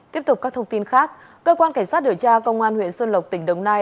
tiếp tục các thông tin khác cơ quan cảnh sát điều tra công an huyện xuân lộc tỉnh đồng nai